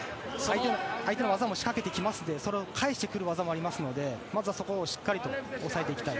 相手も技を仕掛けますがそれを返す技もありますのでまずはそこをしっかりと押さえてきたい。